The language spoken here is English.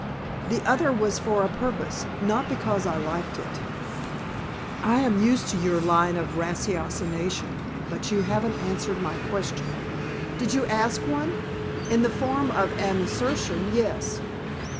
The other was for a purpose, not because I liked it." "I am used to your line of ratiocination. But you haven't answered my question." "Did you ask one?" "In the form of an assertion, yes."